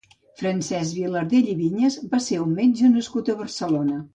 Francesc Vilardell i Viñas va ser un metge nascut a Barcelona.